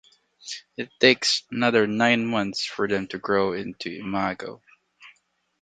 It takes another nine months for them to grow into imago.